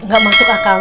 enggak masuk akal